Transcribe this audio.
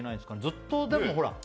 ずっとでもほら。